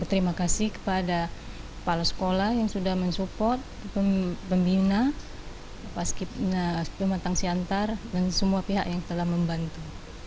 terima kasih kepada kepala sekolah yang sudah mensupport pembina pematang siantar dan semua pihak yang telah membantu